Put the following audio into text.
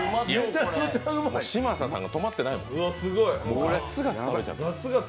嶋佐さんが止まってないもん。